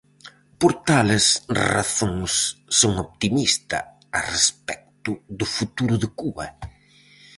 Por tales razóns son optimista a respecto do futuro de Cuba.